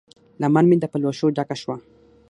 لمن مې د پلوشو ډکه شوه